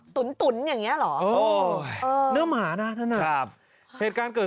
ตุ๋นตุ๋นอย่างเงี้เหรอเออเนื้อหมานะนั่นน่ะครับเหตุการณ์เกิด